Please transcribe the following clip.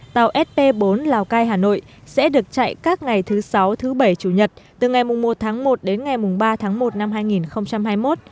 tàu sp bốn hà nội lào cai sẽ được chạy các ngày thứ sáu thứ bảy chủ nhật từ ngày một tháng một đến ngày ba tháng một năm hai nghìn hai mươi một